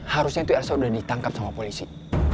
harusnya tuh elsa udah ditangkap sama polisi